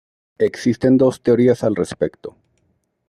Existen dos teorías al respecto.